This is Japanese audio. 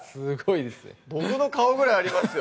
僕の顔ぐらいありますよ！